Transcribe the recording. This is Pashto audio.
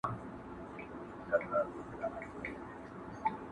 و دې پتنګ زړه ته مي ګرځمه لمبې لټوم.